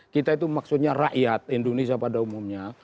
kita itu maksudnya rakyat indonesia pada umumnya